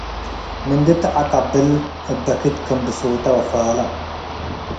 ምንዲ ተዐቀብል እብ በክት ክም ብሶተ ወፋለ